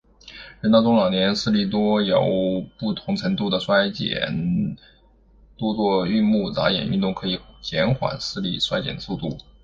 人到中老年，视力多有不同程度地衰减，多做运目眨眼运动可以减缓视力衰减的速度。